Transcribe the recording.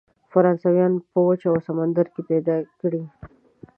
فرانسویان په وچه او سمندر کې پیدا کړي.